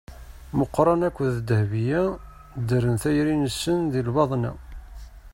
Muqran akked Dehbiya ddren tayri-nsen di lbaḍna.